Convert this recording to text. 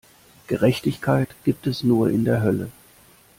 Gerechtigkeit gibt es nur in der Hölle!